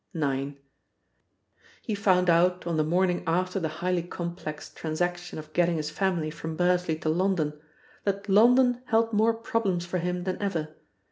IX. He found out on the morning after the highly complex transaction of getting his family from Bursley to London that London held more problems for him than ever.